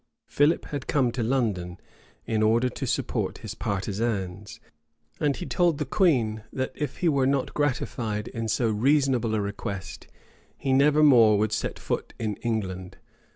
Philip had come to London, in order to support his partisans; and he told the queen that, if he were not gratified in so reasonable a request, he never more would set foot in England.